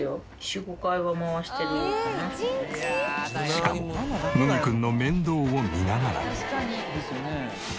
しかも麦くんの面倒を見ながら。